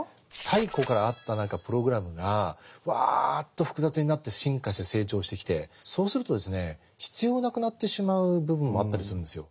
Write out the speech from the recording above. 太古からあった何かプログラムがわっと複雑になって進化して成長してきてそうするとですね必要なくなってしまう部分もあったりするんですよ。